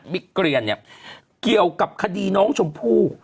เกรียนเนี่ยเกี่ยวกับคดีน้องชมพู่